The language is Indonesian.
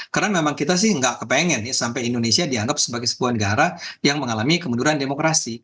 karena memang kita sih gak kepengen sampai indonesia dianggap sebagai sebuah negara yang mengalami kemunduran demokrasi